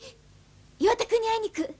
岩田君に会いにいく！